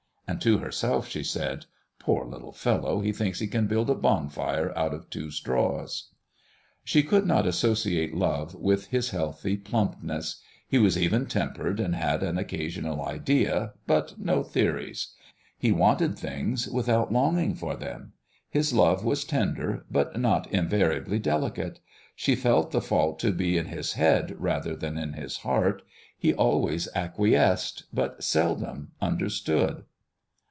And to herself she said, "Poor little fellow! he thinks he can build a bonfire out of two straws." She could not associate love with his healthy plumpness. He was even tempered, and had an occasional idea, but no theories; he wanted things without longing for them; his love was tender but not invariably delicate. She felt the fault to be in his head rather than in his heart; he always acquiesced, but seldom understood.